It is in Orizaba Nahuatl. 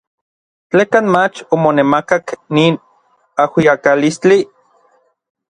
¿Tlekan mach omonemakak nin ajuiakalistli.